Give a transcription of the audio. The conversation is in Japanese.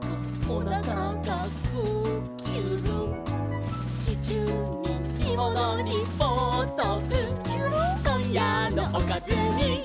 「こんやのおかずに」